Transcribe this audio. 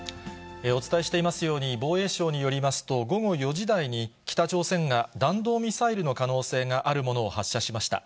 お伝えしていますように、防衛省によりますと、午後４時台に、北朝鮮が弾道ミサイルの可能性があるものを発射しました。